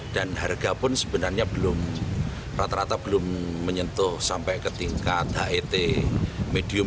dan harga pun sebenarnya belum rata rata belum menyentuh sampai ke tingkat het medium